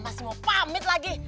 masih mau pamit lagi